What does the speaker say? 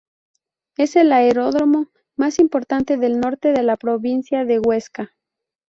Es el aeródromo más importante del norte de la provincia de Huesca.